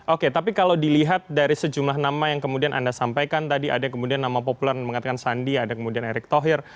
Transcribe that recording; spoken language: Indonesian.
oke tapi kalau dilihat dari sejumlah nama yang kemudian anda sampaikan tadi ada kemudian nama populer mengatakan sandi ada kemudian erick thohir